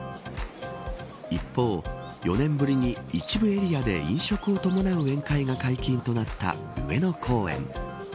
一方、４年ぶりに一部エリアで飲食を伴う宴会が解禁となった上野公園。